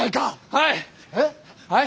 はい？